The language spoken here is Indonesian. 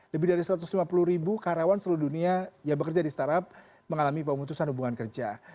lebih dari satu ratus lima puluh ribu karyawan seluruh dunia yang bekerja di startup mengalami pemutusan hubungan kerja